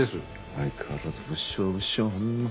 相変わらず物証物証ほんま。